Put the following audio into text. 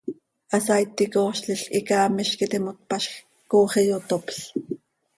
Hasaaiti coozlil quih hicaamiz quih iti himo tpazjc, coox iyotopl.